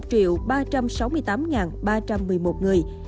và trên sáu mươi năm tuổi là năm trăm một mươi năm người